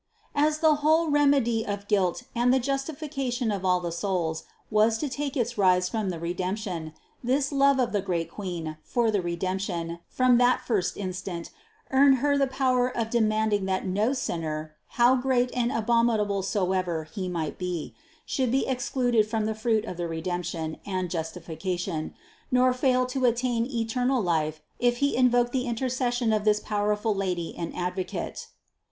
As the whole remedy of guilt and the justification of all the souls was to take its rise from the Redemption, this love of the great Queen for the Redemption from that first instant, earned Her the power of demanding that no sinner, how great and abominable soever he might be, should be excluded from the fruit of the Redemption and justification, nor fail to attain eternal life if he invoked the intercession of this powerful Lady and Advocate.